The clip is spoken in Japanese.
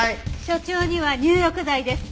所長には入浴剤です。